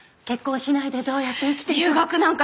結婚しないでどうやって生きていくの？